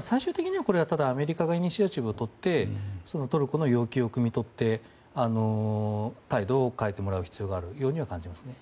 最終的にはアメリカがイニシアチブをとってトルコの要求をくみ取って態度を変えてもらう必要があるように感じますね。